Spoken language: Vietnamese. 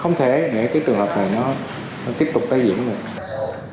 không thể để cái trường hợp này nó tiếp tục tái diễn luôn